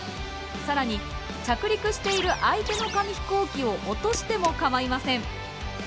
更に着陸している相手の紙ヒコーキを落としてもかまいません。